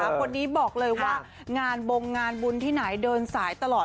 คนนี้บอกเลยว่างานบงงานบุญที่ไหนเดินสายตลอด